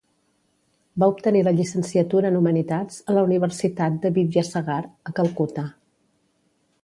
Va obtenir la llicenciatura en Humanitats a la Universitat de Vidyasagar, a Calcuta.